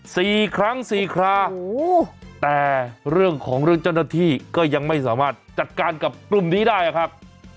สี่ครั้งสี่คราโอ้โหแต่เรื่องของเรื่องเจ้าหน้าที่ก็ยังไม่สามารถจัดการกับกลุ่มนี้ได้อะครับ